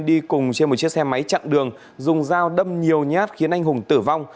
đi cùng trên một chiếc xe máy chặn đường dùng dao đâm nhiều nhát khiến anh hùng tử vong